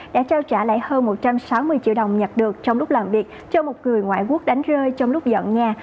đã lấy hơn một trăm sáu mươi triệu đồng nhặt được trong lúc làm việc cho một người ngoại quốc đánh rơi trong lúc dọn nhà